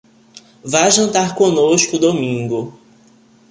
Vá jantar conosco domingo.